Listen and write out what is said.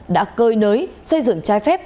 đã cơi nới xây dựng chai phép